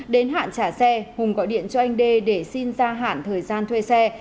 đến hạn trả xe hùng gọi điện cho anh đê để xin gia hạn thời gian thuê xe